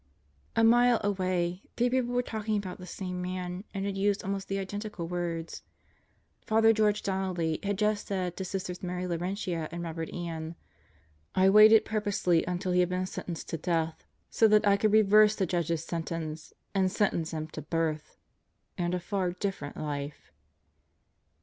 A mile away, three people were talking about the same man and had used almost the identical words. Father George Donnelly had just said to Sisters Mary Laurentia and Robert Ann: "I waited purposely until he had been sentenced to death, so that I could reverse the judge's sentence and sentence him to birth and a far different life."